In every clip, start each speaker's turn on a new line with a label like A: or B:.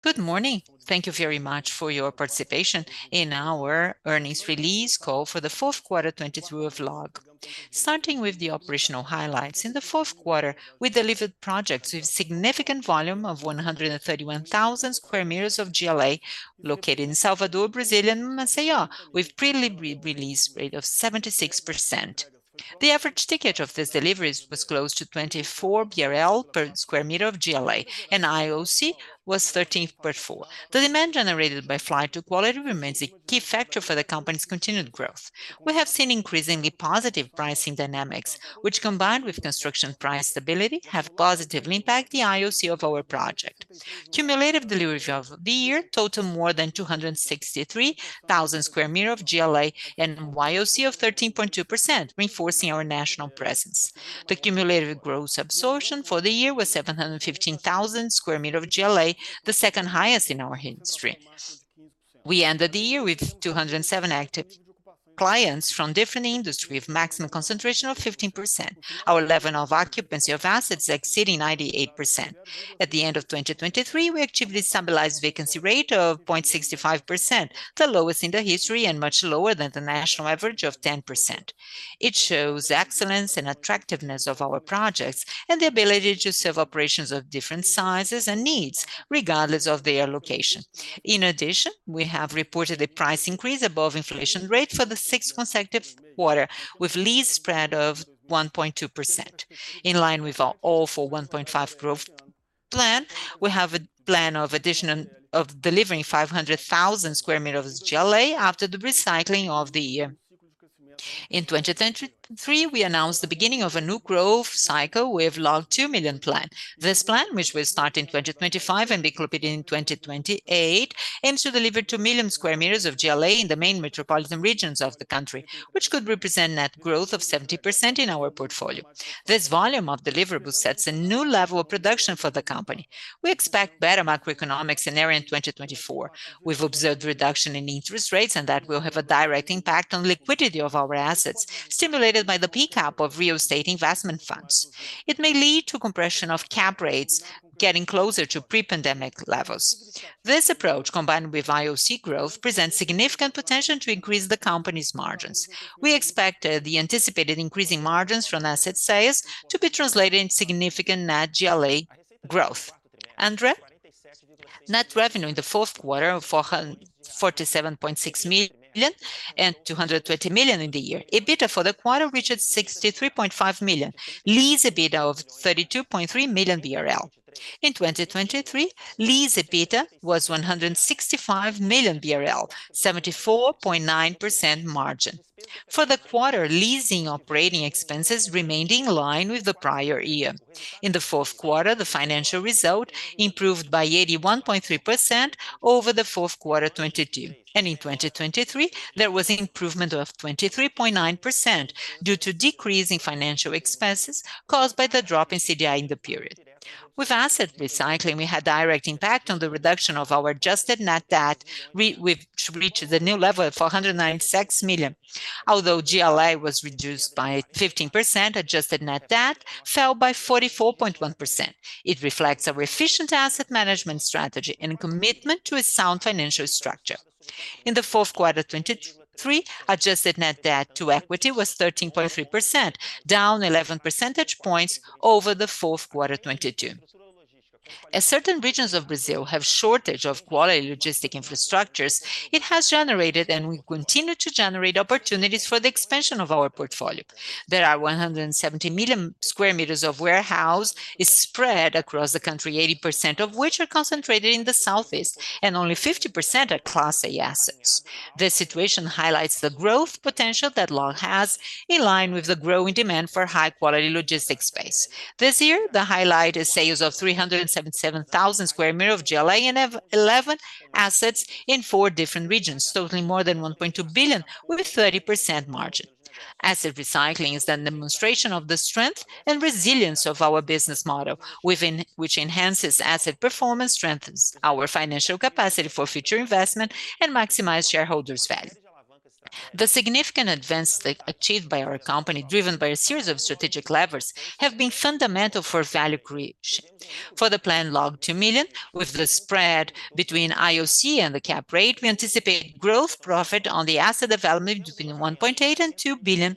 A: Good morning. Thank you very much for your participation in our earnings release call for the fourth quarter 2022 of LOG. Starting with the operational highlights, in the fourth quarter, we delivered projects with significant volume of 131,000 square meters of GLA, located in Salvador, Brazil, Maceió, with pre-lease rate of 76%. The average ticket of these deliveries was close to 24 BRL per square meter of GLA, and YOC the second highest in our history. We ended the year with 207 active clients from different industries, with maximum concentration of 15%, our level of occupancy of assets exceeding 98%. At the end of 2023, we achieved a stabilized vacancy rate of 0.65%, the lowest in the history and much lower than the national average of 10%. It shows excellence and attractiveness of our projects and the ability to serve operations of different sizes and needs, regardless of their location. In addition, we have reported a price increase above inflation rate for the 6th consecutive quarter, with lease spread of 1.2%. In line with our All for 1.5 growth plan, we have a plan of additional of delivering 500,000 square meters of GLA after the recycling of the year. In 2023, we announced the beginning of a new growth cycle with LOG 2 Million plan. This plan, which will start in 2025 and be completed in 2028, aims to deliver 2,000,000 square meters of GLA in the main metropolitan regions of the country, which could represent net growth of 70% in our portfolio. This volume of deliverable sets a new level of production for the company. We expect better macroeconomic scenario in 2024. We've observed reduction in interest rates, and that will have a direct impact on liquidity of our assets, stimulated by the pickup of real estate investment funds. It may lead to compression of cap rates getting closer to pre-pandemic levels. This approach, combined with IOC growth, presents significant potential to increase the company's margins. We expect the anticipated increasing margins from asset sales to be translated in significant net GLA growth. Andre?
B: Net revenue in the fourth quarter of 447.6 million and 220 million in the year. EBITDA for the quarter reached 63.5 million, lease EBITDA of 32.3 million BRL. In 2023, lease EBITDA was 165 million BRL, 74.9% margin. For the quarter, leasing operating expenses remained in line with the prior year. In the fourth quarter, the financial result improved by 81.3% over the fourth quarter 2022, and in 2023, there was an improvement of 23.9% due to decrease in financial expenses caused by the drop in CDI in the period. With asset recycling, we had direct impact on the reduction of our adjusted net debt, which reached a new level of 496 million. Although GLA was reduced by 15%, adjusted net debt fell by 44.1%. It reflects our efficient asset management strategy and a commitment to a sound financial structure. In the fourth quarter 2023, adjusted net debt to equity was 13.3%, down eleven percentage points over the fourth quarter 2022. As certain regions of Brazil have shortage of quality logistic infrastructures, it has generated, and will continue to generate, opportunities for the expansion of our portfolio. There are 170 million sq m of warehouses spread across the country, 80% of which are concentrated in the Southeast, and only 50% are Class A assets. This situation highlights the growth potential that LOG has, in line with the growing demand for high-quality logistic space. This year, the highlight is sales of 377,000 sq m of GLA and have 11 assets in 4 different regions, totaling more than 1.2 billion, with a 30% margin. Asset recycling is the demonstration of the strength and resilience of our business model, within which enhances asset performance, strengthens our financial capacity for future investment, and maximizes shareholders' value. The significant advances achieved by our company, driven by a series of strategic levers, have been fundamental for value creation. For the plan LOG Two Million, with the spread between IOC and the cap rate, we anticipate gross profit on the asset development between 1.8 billion and 2 billion.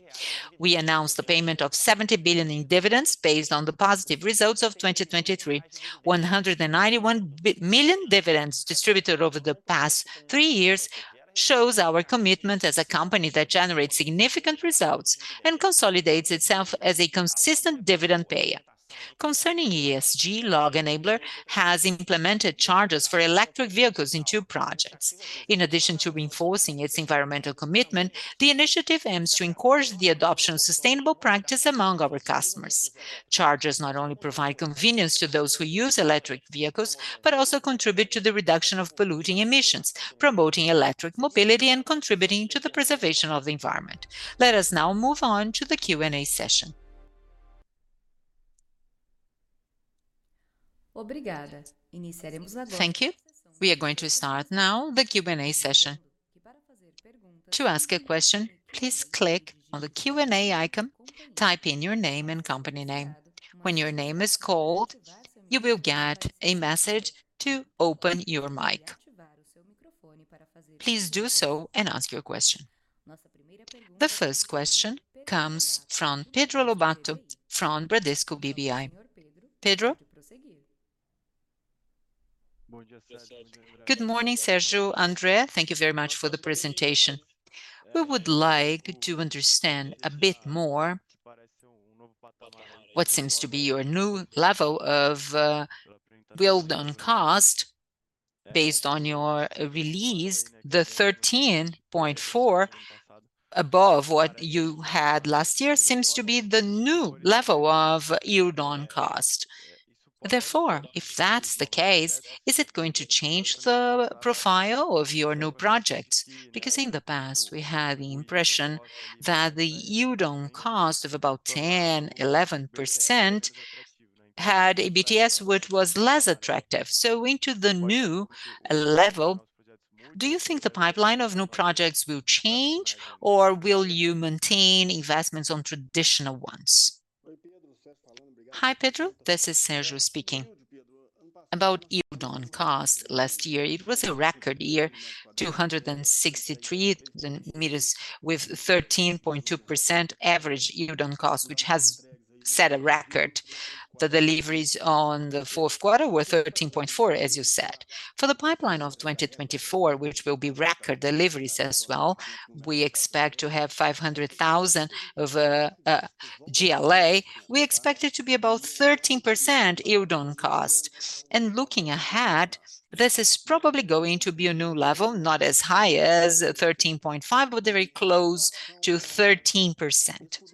B: We announced the payment of 70 million in dividends based on the positive results of 2023. 191 million dividends distributed over the past three years shows our commitment as a company that generates significant results and consolidates itself as a consistent dividend payer. Concerning ESG, Enel X has implemented chargers for electric vehicles in two projects. In addition to reinforcing its environmental commitment, the initiative aims to encourage the adoption of sustainable practice among our customers. Chargers not only provide convenience to those who use electric vehicles, but also contribute to the reduction of polluting emissions, promoting electric mobility and contributing to the preservation of the environment. Let us now move on to the Q&A session.
C: Thank you. We are going to start now the Q&A session. To ask a question, please click on the Q&A icon, type in your name and company name. When your name is called, you will get a message to open your mic. Please do so and ask your question. The first question comes from Pedro Lobato from Bradesco BBI. Pedro?
D: Good morning, Sergio, André. Thank you very much for the presentation. We would like to understand a bit more what seems to be your new level of yield on cost. Based on your release, the 13.4% above what you had last year seems to be the new level of yield on cost. Therefore, if that's the case, is it going to change the profile of your new projects? Because in the past, we had the impression that the yield on cost of about 10%-11% had a BTS, which was less attractive. So into the new level, do you think the pipeline of new projects will change, or will you maintain investments on traditional ones?
A: Hi, Pedro, this is Sérgio speaking. About yield on cost, last year, it was a record year, 263,000 sq m with 13.2% average yield on cost, which has set a record. The deliveries on the fourth quarter were 13.4%, as you said. For the pipeline of 2024, which will be record deliveries as well, we expect to have 500,000 of GLA. We expect it to be about 13% yield on cost. And looking ahead, this is probably going to be a new level, not as high as 13.5, but very close to 13%.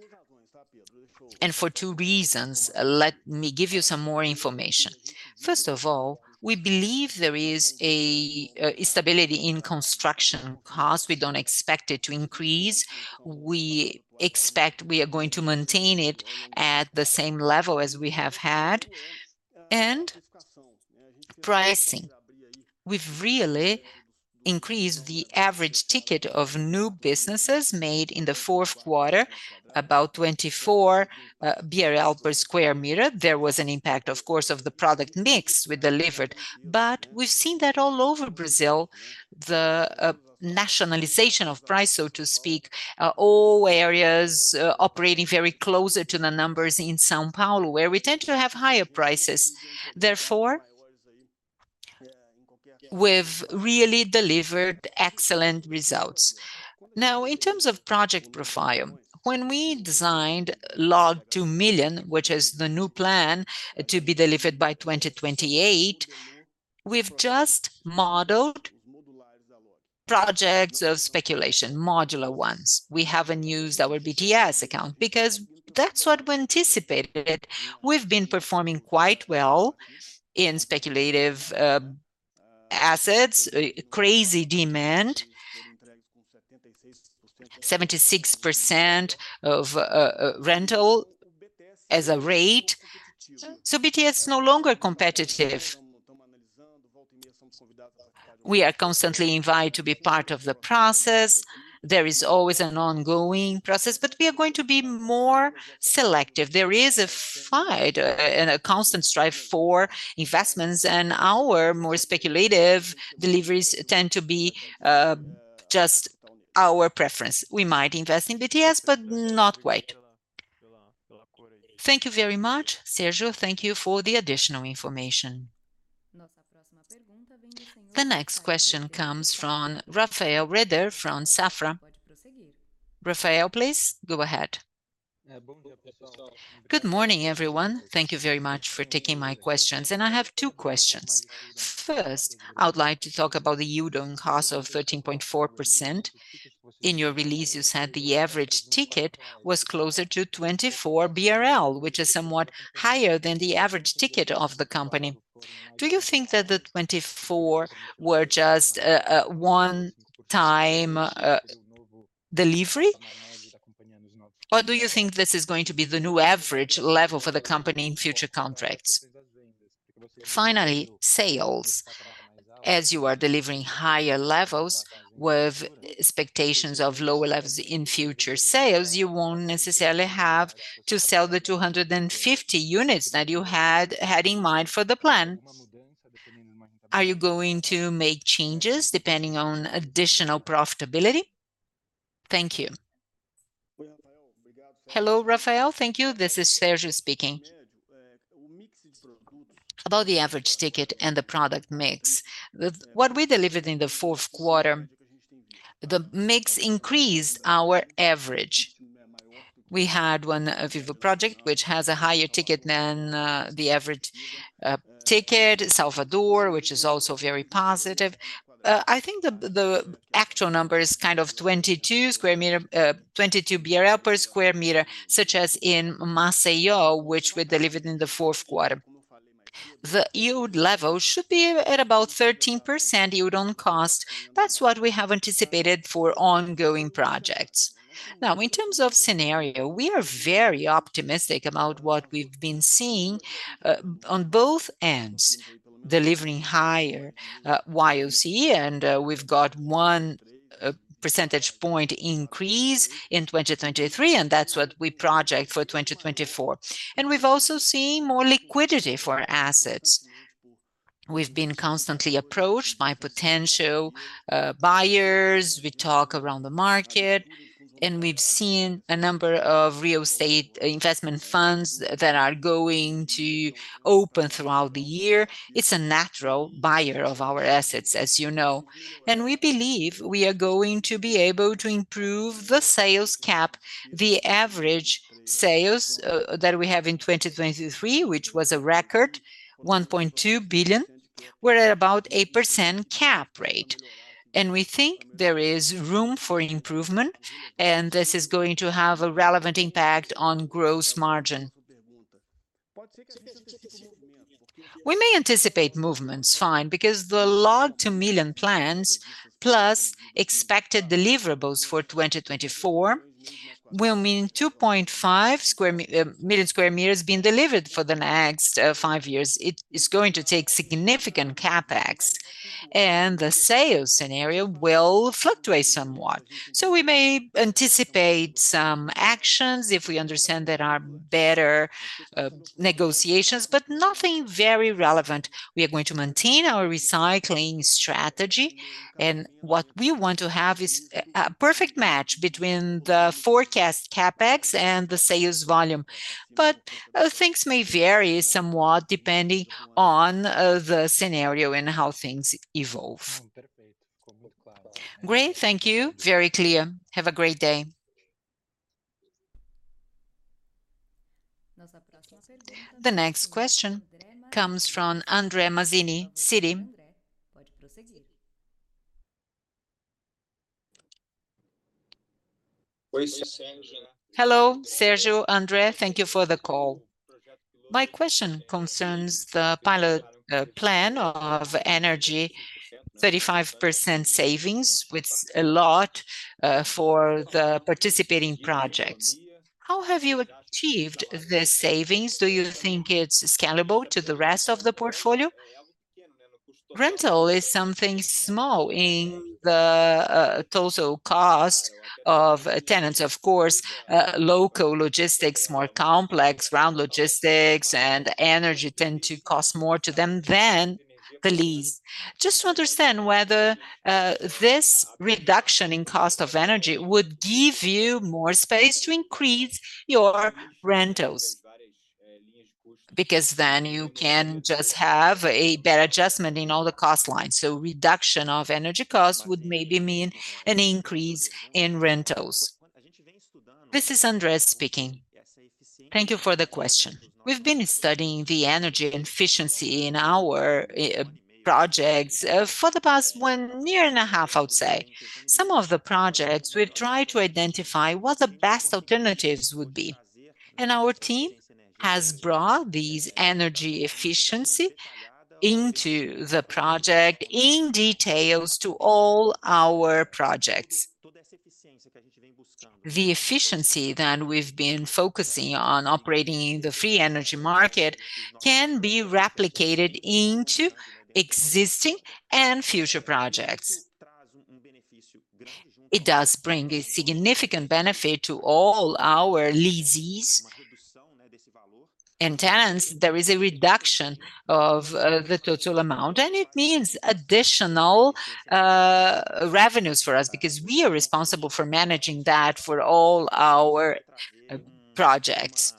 A: And for two reasons, let me give you some more information. First of all, we believe there is a stability in construction cost. We don't expect it to increase. We expect we are going to maintain it at the same level as we have had. And pricing, we've really increased the average ticket of new businesses made in the fourth quarter, about 24 BRL per square meter. There was an impact, of course, of the product mix we delivered, but we've seen that all over Brazil, the nationalization of price, so to speak, all areas operating very closer to the numbers in São Paulo, where we tend to have higher prices. Therefore, we've really delivered excellent results. Now, in terms of project profile, when we designed Log Two Million, which is the new plan to be delivered by 2028, we've just modeled projects of speculation, modular ones. We haven't used our BTS account because that's what we anticipated. We've been performing quite well in speculative assets, crazy demand, 76% of rental as a rate. So BTS is no longer competitive. We are constantly invited to be part of the process. There is always an ongoing process, but we are going to be more selective. There is a fight and a constant strife for investments, and our more speculative deliveries tend to be just our preference. We might invest in BTS, but not quite.
D: Thank you very much, Sérgio. Thank you for the additional information.
C: The next question comes from Rafael Rehder, from Safra. Rafael, please go ahead.
E: Good morning, everyone. Thank you very much for taking my questions, and I have two questions. First, I would like to talk about the yield on cost of 13.4%. In your release, you said the average ticket was closer to 24 BRL, which is somewhat higher than the average ticket of the company. Do you think that the 24 were just a one-time delivery, or do you think this is going to be the new average level for the company in future contracts? Finally, sales. As you are delivering higher levels with expectations of lower levels in future sales, you won't necessarily have to sell the 250 units that you had in mind for the plan. Are you going to make changes depending on additional profitability? Thank you.
A: Hello, Rafael. Thank you. This is Sergio speaking. About the average ticket and the product mix, what we delivered in the fourth quarter, the mix increased our average. We had one Vivo project, which has a higher ticket than the average ticket. Salvador, which is also very positive. I think the actual number is kind of 22 square meter, 22 BRL per square meter, such as in Maceió, which we delivered in the fourth quarter. The yield level should be at about 13% yield on cost. That's what we have anticipated for ongoing projects. Now, in terms of scenario, we are very optimistic about what we've been seeing on both ends, delivering higher YOC, and we've got 1 percentage point increase in 2023, and that's what we project for 2024. And we've also seen more liquidity for assets. We've been constantly approached by potential buyers. We talk around the market, and we've seen a number of real estate investment funds that are going to open throughout the year. It's a natural buyer of our assets, as you know, and we believe we are going to be able to improve the sales cap, the average sales that we have in 2023, which was a record, 1.2 billion. We're at about 8% cap rate, and we think there is room for improvement, and this is going to have a relevant impact on gross margin. We may anticipate movements fine, because the Log Two Million plans, plus expected deliverables for 2024, will mean 2.5 million square meters being delivered for the next five years. It is going to take significant CapEx, and the sales scenario will fluctuate somewhat. So we may anticipate some actions if we understand there are better negotiations, but nothing very relevant. We are going to maintain our recycling strategy, and what we want to have is a perfect match between the forecast CapEx and the sales volume. But things may vary somewhat depending on the scenario and how things evolve.
E: Great, thank you. Very clear. Have a great day.
C: The next question comes from André Mazini, Citi.
F: Hello, Sérgio, André. Thank you for the call. My question concerns the pilot plan of energy, 35% savings, which a lot for the participating projects. How have you achieved the savings? Do you think it's scalable to the rest of the portfolio? Rental is something small in the total cost of tenants. Of course, local logistics, more complex ground logistics and energy tend to cost more to them than the lease. Just to understand whether this reduction in cost of energy would give you more space to increase your rentals, because then you can just have a better adjustment in all the cost lines. So reduction of energy costs would maybe mean an increase in rentals.
B: This is André speaking. Thank you for the question. We've been studying the energy efficiency in our projects for the past one year and a half, I would say. Some of the projects, we've tried to identify what the best alternatives would be, and our team has brought these energy efficiency into the project in details to all our projects. The efficiency that we've been focusing on operating in the free energy market can be replicated into existing and future projects. It does bring a significant benefit to all our lessees and tenants. There is a reduction of the total amount, and it means additional revenues for us because we are responsible for managing that for all our projects.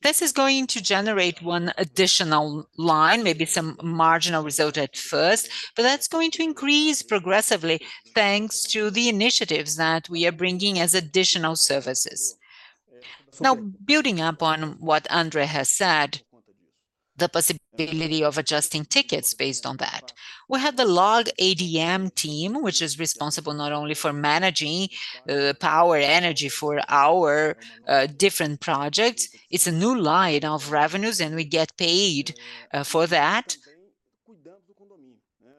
B: This is going to generate one additional line, maybe some marginal result at first, but that's going to increase progressively, thanks to the initiatives that we are bringing as additional services.
A: Now, building up on what André has said, the possibility of adjusting tickets based on that. We have the large ADM team, which is responsible not only for managing power energy for our different projects. It's a new line of revenues, and we get paid for that.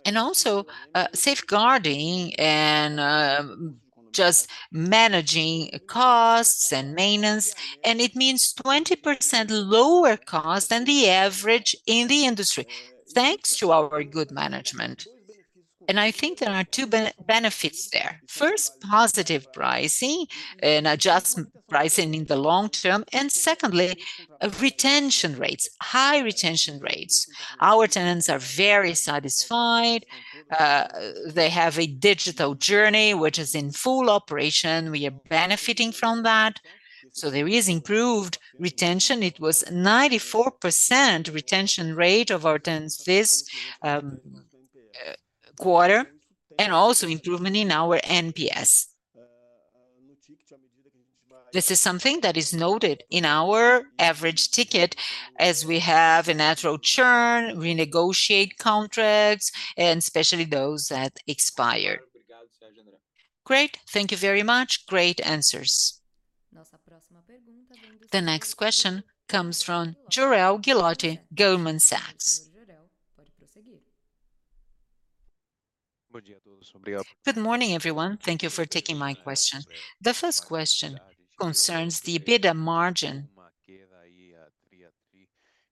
A: And also safeguarding and just managing costs and maintenance, and it means 20% lower cost than the average in the industry, thanks to our good management. And I think there are two benefits there. First, positive pricing and adjustment pricing in the long term, and secondly, retention rates, high retention rates. Our tenants are very satisfied. They have a digital journey, which is in full operation. We are benefiting from that, so there is improved retention. It was 94% retention rate of our tenants this quarter, and also improvement in our NPS. This is something that is noted in our average ticket as we have a natural churn, we negotiate contracts, and especially those that expire.
F: Great. Thank you very much. Great answers.
C: The next question comes from Jorel Guilloty, Goldman Sachs.
G: Good morning, everyone. Thank you for taking my question. The first question concerns the EBITDA margin.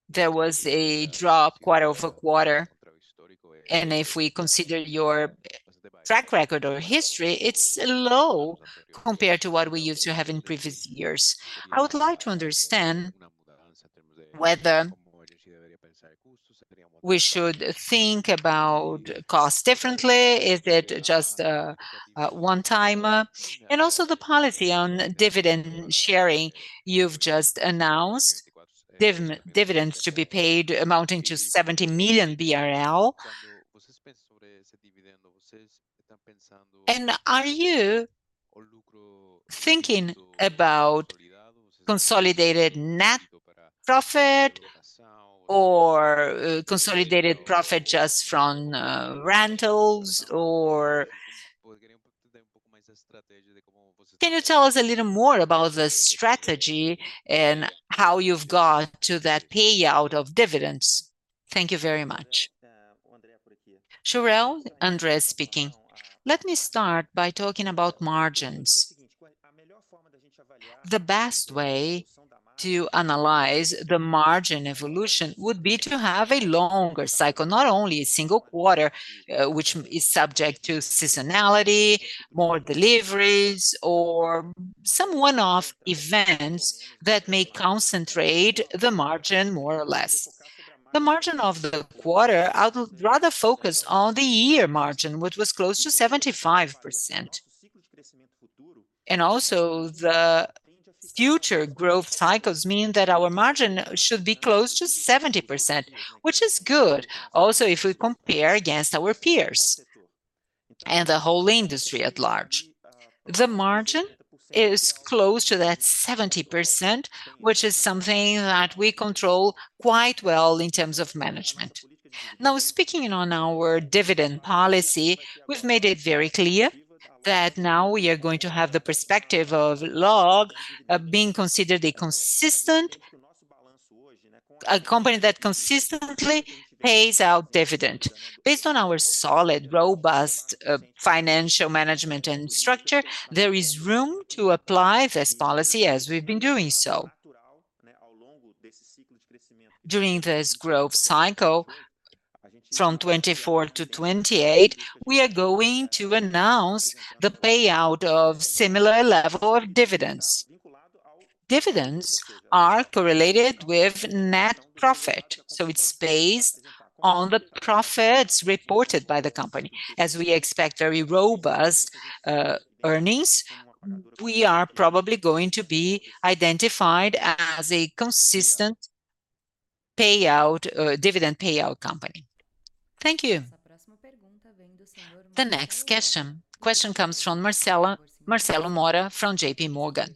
G: There was a drop quarter-over-quarter, and if we consider your track record or history, it's low compared to what we used to have in previous years. I would like to understand whether we should think about cost differently. Is it just a one-timer? And also the policy on dividend sharing you've just announced, dividends to be paid amounting to 70 million BRL. And are you thinking about consolidated net profit or, consolidated profit just from, rentals? Or can you tell us a little more about the strategy and how you've got to that payout of dividends? Thank you very much.
B: Jorel, André speaking. Let me start by talking about margins. The best way to analyze the margin evolution would be to have a longer cycle, not only a single quarter, which is subject to seasonality, more deliveries, or some one-off events that may concentrate the margin more or less. The margin of the quarter, I would rather focus on the year margin, which was close to 75%. And also, the future growth cycles mean that our margin should be close to 70%, which is good. Also, if we compare against our peers and the whole industry at large, the margin is close to that 70%, which is something that we control quite well in terms of management. Now, speaking on our dividend policy, we've made it very clear that now we are going to have the perspective of Log being considered a company that consistently pays out dividend. Based on our solid, robust financial management and structure, there is room to apply this policy as we've been doing so. During this growth cycle, from 2024 to 2028, we are going to announce the payout of similar level of dividends. Dividends are correlated with net profit, so it's based on the profits reported by the company. As we expect very robust earnings, we are probably going to be identified as a consistent payout dividend payout company.
G: Thank you.
C: The next question comes from Marcelo Motta from JP Morgan.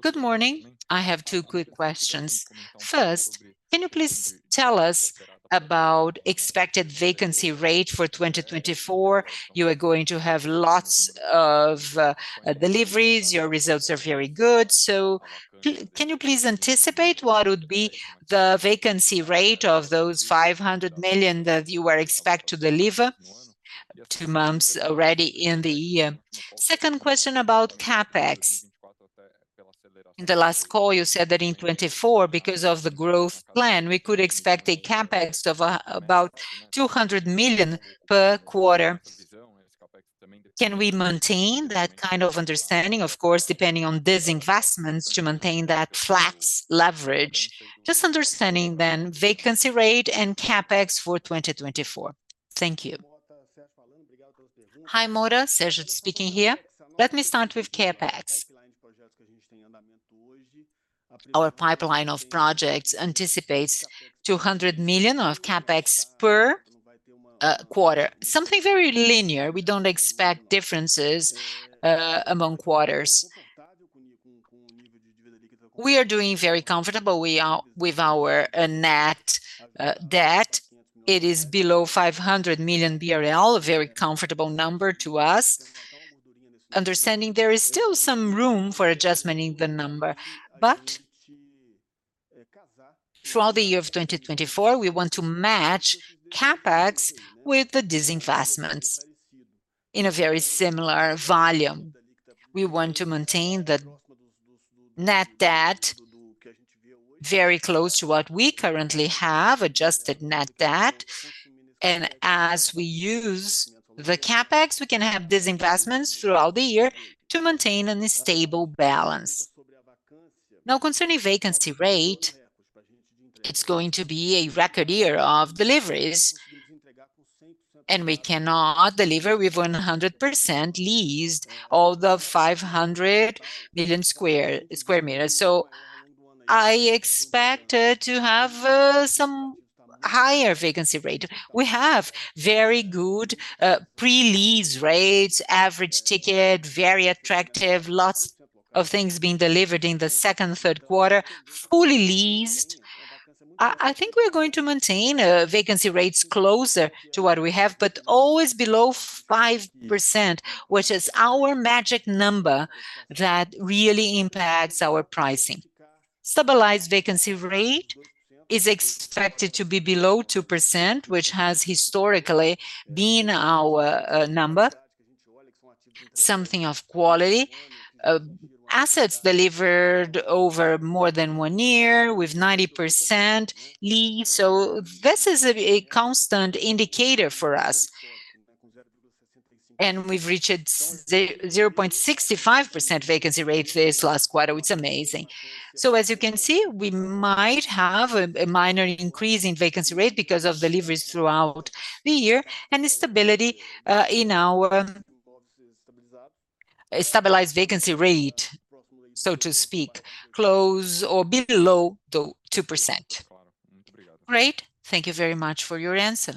H: Good morning. I have two quick questions. First, can you please tell us about expected vacancy rate for 2024? You are going to have lots of deliveries. Your results are very good. So can you please anticipate what would be the vacancy rate of those 500 million that you are expect to deliver two months already in the year? Second question about CapEx. In the last call, you said that in 2024, because of the growth plan, we could expect a CapEx of about 200 million per quarter. Can we maintain that kind of understanding? Of course, depending on disinvestments to maintain that flat leverage. Just understanding then, vacancy rate and CapEx for 2024. Thank you.
A: Hi, Motta. Sergio speaking here. Let me start with CapEx. Our pipeline of projects anticipates 200 million of CapEx per quarter, something very linear. We don't expect differences among quarters. We are doing very comfortable. We are with our net debt, it is below 500 million BRL, a very comfortable number to us. Understanding there is still some room for adjustment in the number. But throughout the year of 2024, we want to match CapEx with the disinvestments in a very similar volume. We want to maintain the net debt very close to what we currently have, adjusted net debt. And as we use the CapEx, we can have disinvestments throughout the year to maintain a stable balance. Now, concerning vacancy rate, it's going to be a record year of deliveries, and we cannot deliver with 100% leased all the 500 million square meters. So I expect to have some higher vacancy rate. We have very good pre-lease rates, average ticket, very attractive, lots of things being delivered in the second, third quarter, fully leased. I think we're going to maintain vacancy rates closer to what we have, but always below 5%, which is our magic number that really impacts our pricing. Stabilized vacancy rate is expected to be below 2%, which has historically been our number, something of quality. Assets delivered over more than one year with 90% lease. So this is a constant indicator for us, and we've reached 0.65% vacancy rate this last quarter, it's amazing. So as you can see, we might have a minor increase in vacancy rate because of deliveries throughout the year and the stability in our stabilized vacancy rate, so to speak, close or below the 2%.
H: Great. Thank you very much for your answer.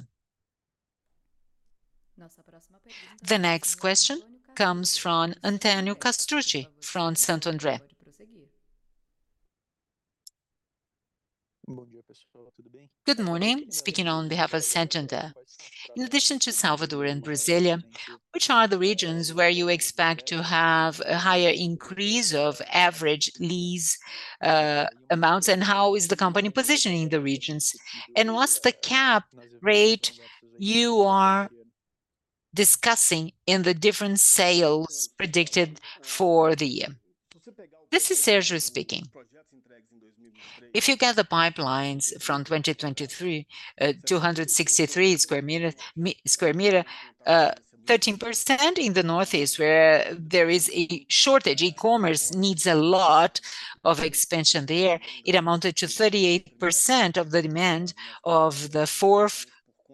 C: The next question comes from Antonio Castrucci, from Santander.
I: Good morning, speaking on behalf of Santo André. In addition to Salvador and Brasília, which are the regions where you expect to have a higher increase of average lease amounts, and how is the company positioning the regions? And what's the cap rate you are discussing in the different sales predicted for the year?
A: This is Sergio speaking. If you get the pipelines from 2023, 263 square meters, 13% in the Northeast, where there is a shortage. E-commerce needs a lot of expansion there. It amounted to 38% of the demand of the fourth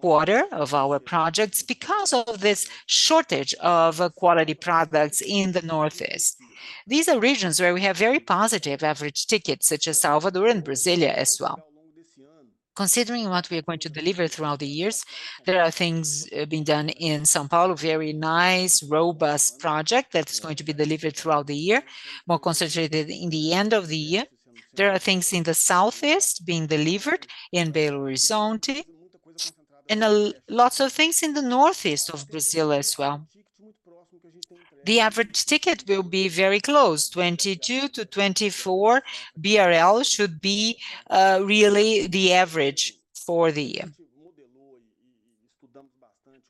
A: quarter of our projects because of this shortage of quality products in the Northeast. These are regions where we have very positive average tickets, such as Salvador and Brasília as well. Considering what we are going to deliver throughout the years, there are things being done in São Paulo, very nice, robust project that is going to be delivered throughout the year, more concentrated in the end of the year. There are things in the Southeast being delivered, in Belo Horizonte, and lots of things in the Northeast of Brazil as well. The average ticket will be very close, 22-24 BRL should be really the average for the year.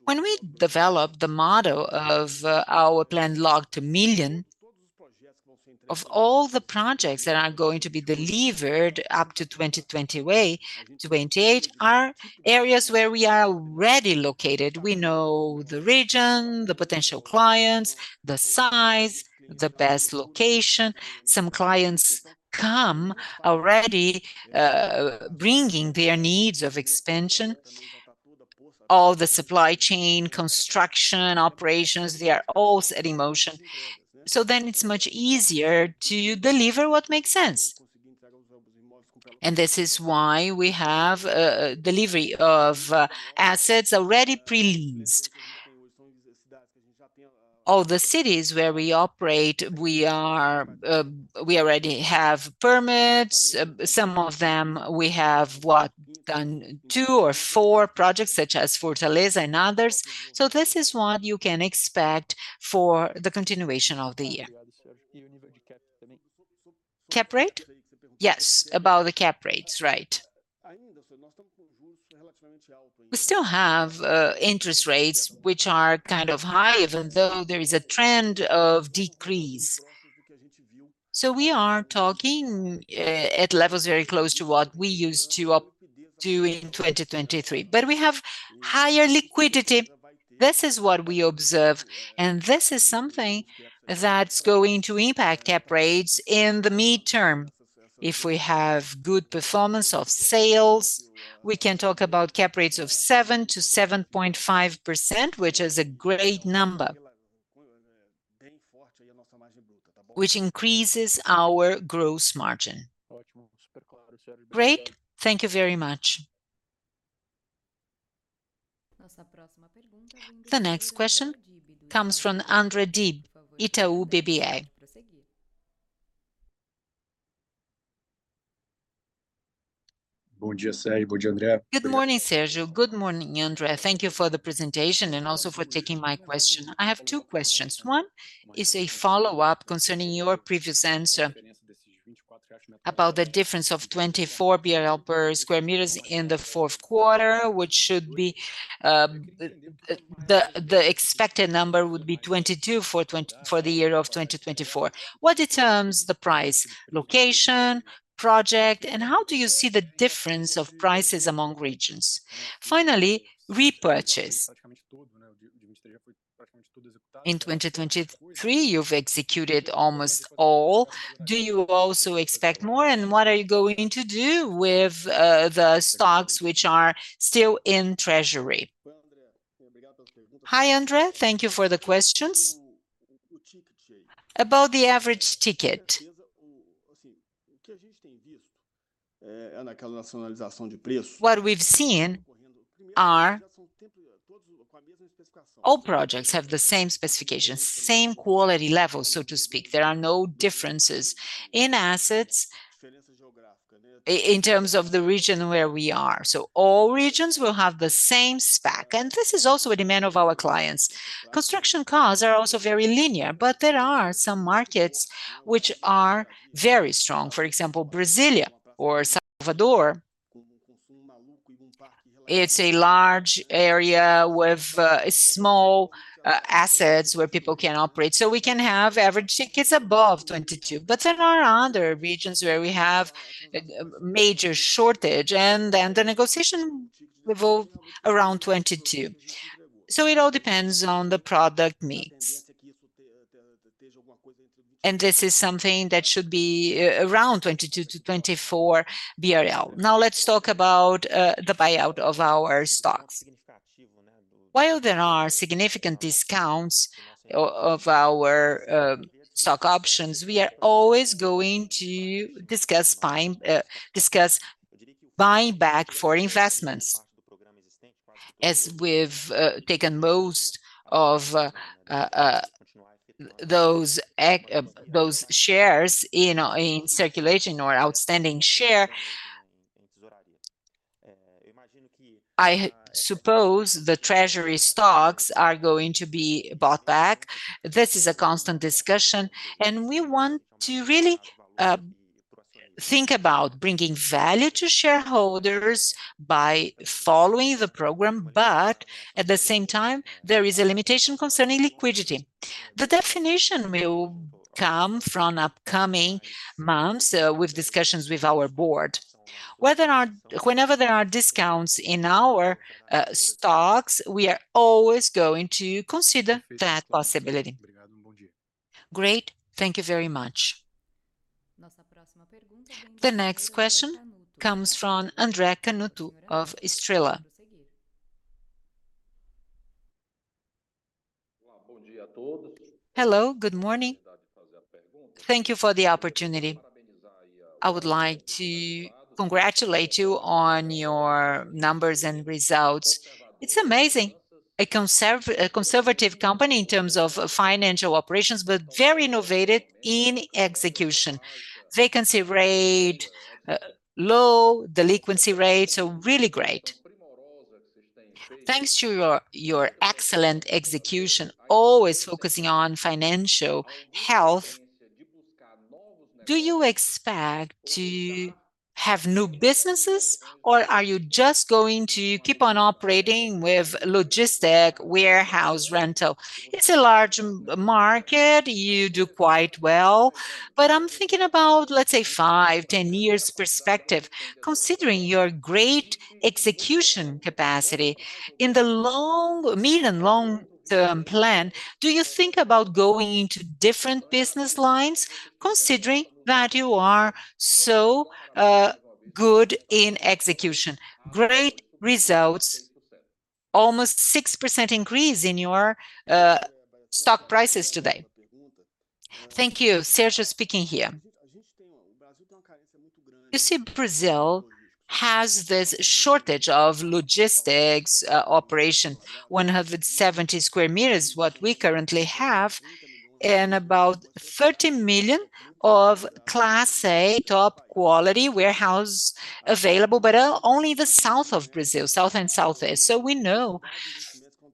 A: When we developed the model of our plan Log Two Million, of all the projects that are going to be delivered up to 2028, are areas where we are already located. We know the region, the potential clients, the size, the best location. Some clients come already, bringing their needs of expansion. All the supply chain, construction, operations, they are all set in motion, so then it's much easier to deliver what makes sense. And this is why we have, delivery of, assets already pre-leased. All the cities where we operate, we are, we already have permits. Some of them we have, what, done 2 or 4 projects, such as Fortaleza and others. So this is what you can expect for the continuation of the year.
I: Cap Rate?
A: Yes, about the Cap Rates, right. We still have, interest rates, which are kind of high, even though there is a trend of decrease. So we are talking, at levels very close to what we used to up to in 2023, but we have higher liquidity. This is what we observe, and this is something that's going to impact Cap Rates in the midterm. If we have good performance of sales, we can talk about cap rates of 7-7.5%, which is a great number, which increases our gross margin.
I: Great. Thank you very much.
C: The next question comes from André Dibe, Itaú BBA.
J: Good morning, Sérgio. Good morning, André. Thank you for the presentation and also for taking my question. I have two questions. One is a follow-up concerning your previous answer about the difference of 24 BRL per square meters in the fourth quarter, which should be the expected number would be 22 for the year of 2024. What determines the price, location, project, and how do you see the difference of prices among regions? Finally, repurchase. In 2023, you've executed almost all. Do you also expect more, and what are you going to do with the stocks which are still in treasury?
A: Hi, André. Thank you for the questions. About the average ticket, what we've seen are all projects have the same specifications, same quality level, so to speak. There are no differences in assets. In terms of the region where we are. So all regions will have the same spec, and this is also a demand of our clients. Construction costs are also very linear, but there are some markets which are very strong. For example, Brasília or Salvador, it's a large area with small assets where people can operate. So we can have average tickets above 22. But there are other regions where we have a major shortage, and then the negotiation revolve around 22. So it all depends on the product needs. And this is something that should be around 22-24 BRL. Now let's talk about the buyout of our stocks. While there are significant discounts of our stock options, we are always going to discuss buying back for investments. As we've taken most of those shares in circulation or outstanding share, I suppose the treasury stocks are going to be bought back. This is a constant discussion, and we want to really think about bringing value to shareholders by following the program, but at the same time, there is a limitation concerning liquidity. The definition will come from upcoming months with discussions with our board. Whenever there are discounts in our stocks, we are always going to consider that possibility.
J: Great, thank you very much.
C: The next question comes from André Canuto of Estrela.
K: Hello, good morning. Thank you for the opportunity. I would like to congratulate you on your numbers and results. It's amazing, a conservative company in terms of financial operations, but very innovative in execution. Vacancy rate low, delinquency rates are really great. Thanks to your excellent execution, always focusing on financial health, do you expect to have new businesses, or are you just going to keep on operating with logistics warehouse rental? It's a large market. You do quite well, but I'm thinking about, let's say, 5-10 years perspective, considering your great execution capacity. In the mid- and long-term plan, do you think about going into different business lines, considering that you are so good in execution? Great results, almost 6% increase in your stock prices today.
A: Thank you. Sergio speaking here. You see, Brazil has this shortage of logistics operation. 170 million sqm, what we currently have, and about 30 million of Class A top-quality warehouse available, but only the south of Brazil, south and southeast. So we know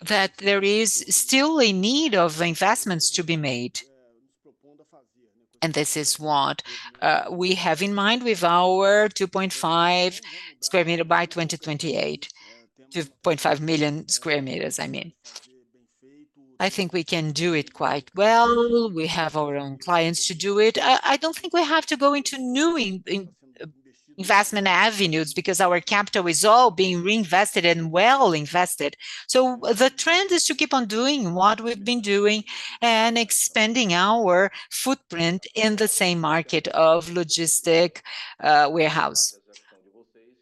A: that there is still a need of investments to be made, and this is what we have in mind with our 2.5 square meter by 2028. 2.5 million square meters, I mean. I think we can do it quite well. We have our own clients to do it. I don't think we have to go into new investment avenues because our capital is all being reinvested and well invested. So the trend is to keep on doing what we've been doing and expanding our footprint in the same market of logistics warehouse.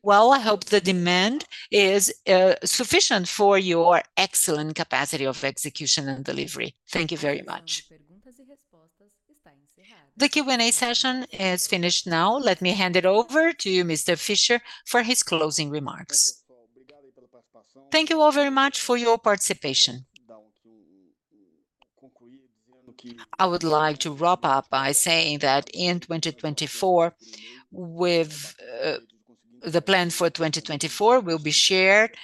K: Well, I hope the demand is sufficient for your excellent capacity of execution and delivery. Thank you very much.
C: The Q&A session is finished now. Let me hand it over to you, Mr. Fischer, for his closing remarks.
A: Thank you all very much for your participation. I would like to wrap up by saying that in 2024, with... The plan for 2024 will be shared,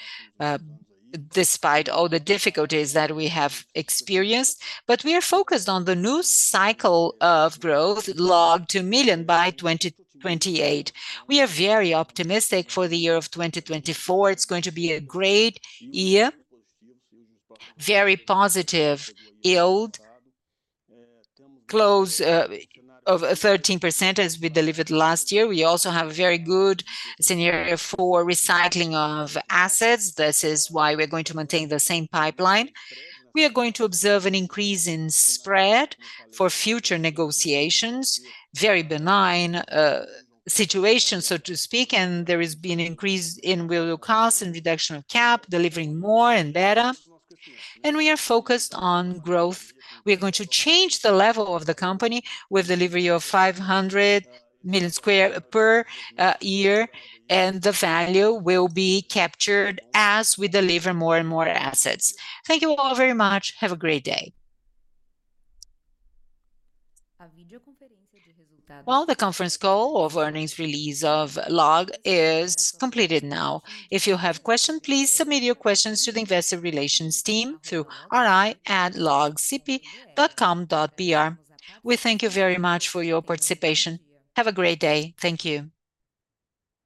A: despite all the difficulties that we have experienced. But we are focused on the new cycle of growth LOG 2 Million by 2028. We are very optimistic for the year of 2024. It's going to be a great year, very positive yield, close, of 13% as we delivered last year. We also have very good scenario for recycling of assets. This is why we're going to maintain the same pipeline. We are going to observe an increase in spread for future negotiations, very benign, situation, so to speak, and there has been an increase in real costs and reduction of cap, delivering more and better. And we are focused on growth. We are going to change the level of the company with delivery of 500 million square per year, and the value will be captured as we deliver more and more assets. Thank you all very much. Have a great day.
C: Well, the conference call of earnings release of LOG is completed now. If you have questions, please submit your questions to the Investor Relations team through ri@logcp.com.br. We thank you very much for your participation. Have a great day. Thank you.